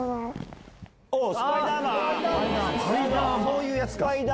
そういうやつか。